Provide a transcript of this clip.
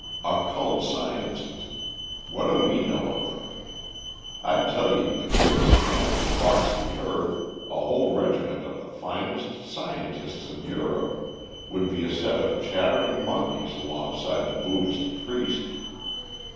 Occult sciences! What do we know of them? I tell you the greatest man who walks the earth, a whole regiment of the finest scientists in Europe, would be a set of chattering monkeys alongside a Buddhist priest.